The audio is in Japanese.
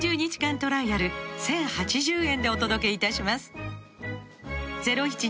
トライアル１，０８０円でお届けいたします